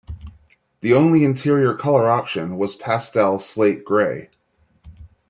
The only interior color option was Pastel Slate Gray.